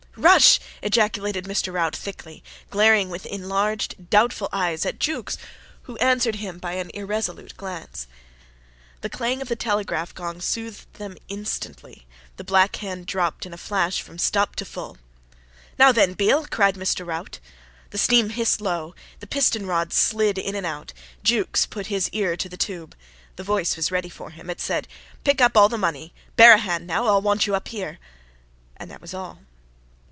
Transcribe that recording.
"Rush!" ejaculated Mr. Rout thickly, glaring with enlarged, doubtful eyes at Jukes, who answered him by an irresolute glance. The clang of the telegraph gong soothed them instantly. The black hand dropped in a flash from STOP to FULL. "Now then, Beale!" cried Mr. Rout. The steam hissed low. The piston rods slid in and out. Jukes put his ear to the tube. The voice was ready for him. It said: "Pick up all the money. Bear a hand now. I'll want you up here." And that was all.